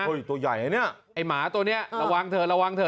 เฮ้ยตัวใหญ่อันนี้ไอ้หมาตัวเนี้ยระวังเธอระวังเธอ